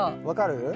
分かる？